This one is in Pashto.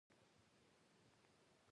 رباب د کوم ځای ساز دی؟